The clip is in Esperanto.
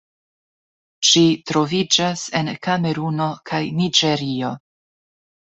Ĝi troviĝas en Kameruno kaj Niĝerio.